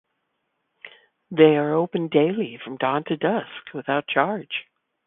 They are open daily from dawn to dusk without charge.